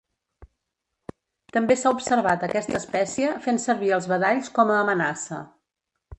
També s'ha observat aquesta espècie fent servir els badalls com a amenaça.